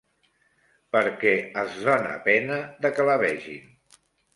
Perquè és dóna pena de que la vegin…